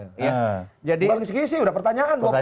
bukan dikisi kisi udah pertanyaan